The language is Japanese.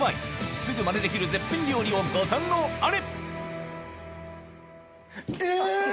すぐマネできる絶品料理をご堪能あれ！